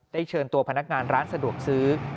เชิญตัวพนักงานร้านสะดวกซื้อ